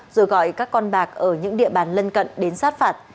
rồi gọi các con bạc ở những địa bàn lân cận đến sát phạt